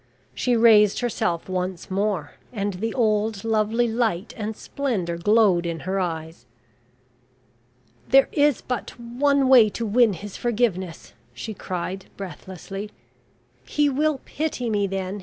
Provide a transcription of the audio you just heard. She raised herself once more, and the old lovely light and splendour glowed in her eyes. "There is but one way to win his forgiveness," she cried breathlessly. "He will pity me then...